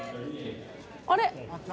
あれ？